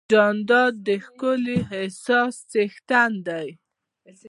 جانداد د ښکلي احساس څښتن دی.